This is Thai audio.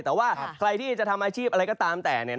แต่ว่าใครที่จะทำอาชีพอะไรก็ตามแต่